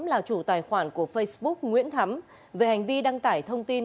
là chủ tài khoản của facebook nguyễn thắm về hành vi đăng tải thông tin